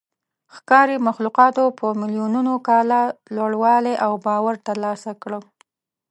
ښکاري مخلوقاتو په میلیونونو کاله لوړوالی او باور ترلاسه کړ.